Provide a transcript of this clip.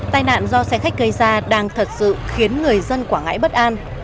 tai nạn do xe khách gây ra đang thật sự khiến người dân quảng ngãi bất an